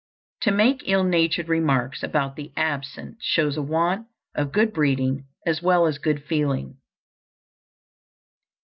To make ill natured remarks about the absent shows a want of good breeding as well as good feeling.